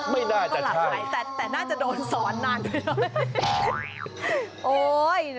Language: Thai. ไม่น่าจะใช่ไหมก็หลับไปแต่น่าจะโดนสอนนานที่นอน